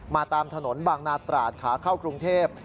ตามถนนบางนาตราดขาเข้ากรุงเทพ